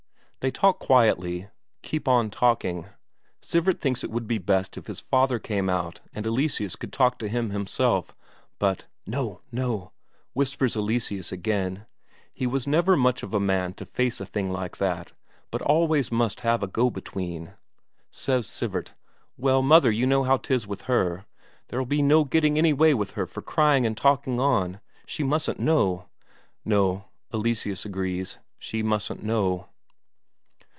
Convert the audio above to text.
They talk quietly, keep on talking. Sivert thinks it would be best if his father came out and Eleseus could talk to him himself; but "No, no!" whispers Eleseus again; he was never much of a man to face a thing like that, but always must have a go between. Says Sivert: "Well, mother, you know how 'tis with her. There'll be no getting any way with her for crying and talking on. She mustn't know." "No," Eleseus agrees, "she mustn't know."